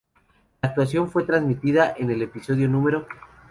La actuación fue transmitida en el episodio no.